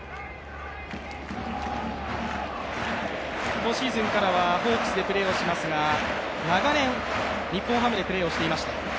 今シーズンからはホークスでプレーをしますが長年、日本ハムでプレーをしていました。